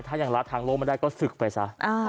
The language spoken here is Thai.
ถ้ายังรักทางโลกไม่ได้ก็ศึกไปซะ